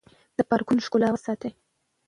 د پارکونو ښکلا وساتئ.